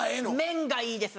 麺がいいです